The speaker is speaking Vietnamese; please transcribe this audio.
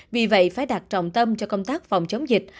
vì vậy phải đặt trọng tâm cho công tác phòng chống dịch